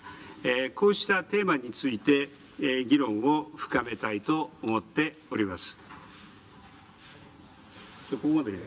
こうしたテーマについて議論を深めたいと思っております。